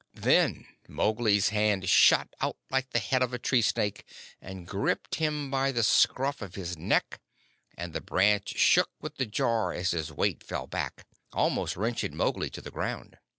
Then Mowgli's hand shot out like the head of a tree snake, and gripped him by the scruff of his neck, and the branch shook with the jar as his weight fell back, almost wrenching Mowgli to the ground.